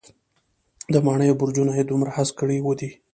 د ماڼېیو برجونه یې دومره هسک کړي دی.